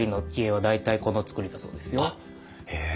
あっへえ